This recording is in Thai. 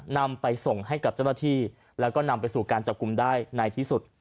นำไปส่งให้กับเจ้าหน้าที่แล้วก็นำไปสู่การจับกลุ่มได้ในที่สุด